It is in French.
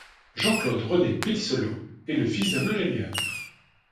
Jean-Claude René Pelissolo est le fils d'un ingénieur.